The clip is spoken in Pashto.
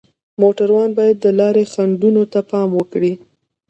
موټروان باید د لارې خنډونو ته پام وکړي.